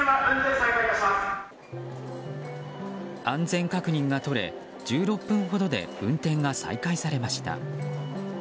安全確認が取れ、１６分ほどで運転が再開されました。